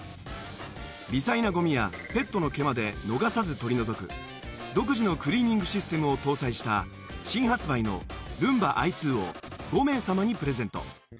微細なゴミやペットの毛まで逃さず取り除く独自のクリーニングシステムを搭載した新発売のＲｏｏｍｂａｉ２を５名様にプレゼント。